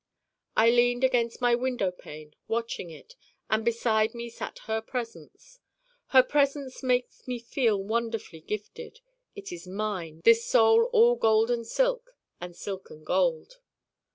I leaned against my window pane watching it, and beside me sat her Presence. Her Presence makes me feel wonderfully gifted: it is mine, this Soul all Golden Silk and Silken Gold!